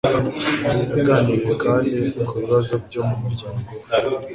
Yaganiriye kandi ku bibazo byo mu muryango we.